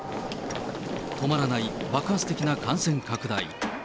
止まらない爆発的な感染拡大。